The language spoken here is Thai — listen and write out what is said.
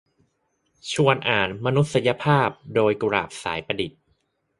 ชวนอ่าน "มนุษยภาพ" โดย กุหลาบ สายประดิษฐ์